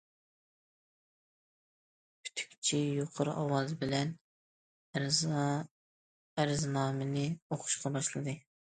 پۈتۈكچى يۇقىرى ئاۋاز بىلەن ئەرزنامىنى ئوقۇشقا باشلىدى.